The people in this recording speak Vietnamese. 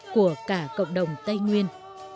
của cả cộng đồng tây nguyên